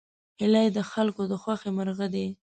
هیلۍ د خلکو د خوښې مرغه ده